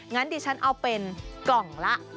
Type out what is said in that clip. งั้นดิฉันเอาเป็นกล่องละ